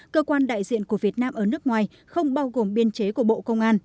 cơ quan đại diện của việt nam ở nước ngoài không bao gồm biên chế của bộ công an